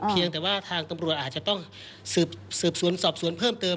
เพียงแต่ว่าทางตำรวจอาจจะต้องสืบสวนสอบสวนเพิ่มเติม